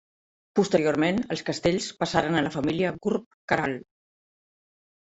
Posteriorment, els castells passaren a la família Gurb-Queralt.